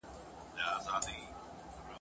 ځکه و مځکي ته د مور نوم ورکول سو